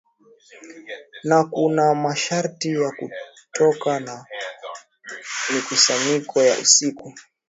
na kuna masharti ya kutoka na mikusanyiko ya usiku